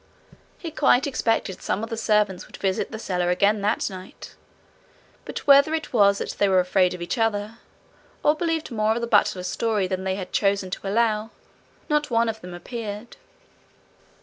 He quite expected some of the servants would visit the cellar again that night, but whether it was that they were afraid of each other, or believed more of the butler's story than they had chosen to allow, not one of them appeared.